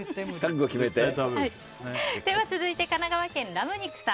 では、続いて神奈川県の方。